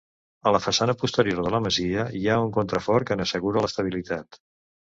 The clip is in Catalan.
A la façana posterior de la masia, hi ha un contrafort que n'assegura l'estabilitat.